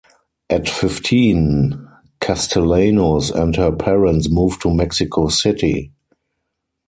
At fifteen, Castellanos and her parents moved to Mexico City.